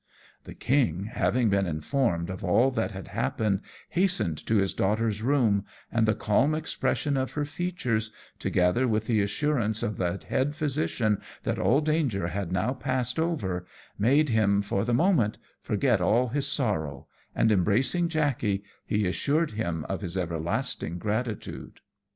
The king, having been informed of all that had happened, hastened to his daughter's room; and the calm expression of her features, together with the assurance of the head physician that all danger had now passed over, made him, for the moment, forget all his sorrow; and embracing Jackey, he assured him of his everlasting gratitude.